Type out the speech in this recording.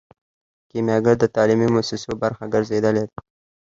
کیمیاګر د تعلیمي موسسو برخه ګرځیدلی دی.